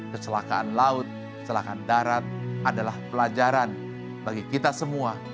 kecelakaan laut kecelakaan darat adalah pelajaran bagi kita semua